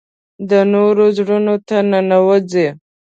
د نورو زړونو ته ننوځي .